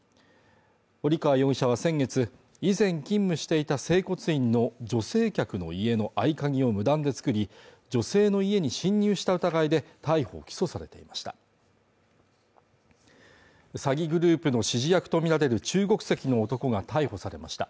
堀川容疑者は先月以前勤務していた整骨院の女性客の家の合鍵を無断で作り女性の家に侵入した疑いで逮捕・起訴されていました詐欺グループの指示役とみられる中国籍の男が逮捕されました